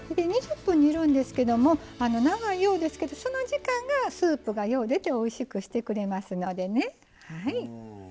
２０分煮るんですけども長いようですけどその時間がスープがよう出ておいしくしてくれますのでね。